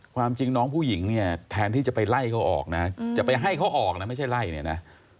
ความจริงน้องผู้หญิงเนี่ยแทนที่จะไปไล่เขาออกนะจะไปให้เขาออกนะไม่ใช่ไล่เนี่ยนะ